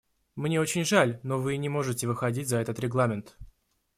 Мне очень жаль, но Вы не можете выходить за этот регламент.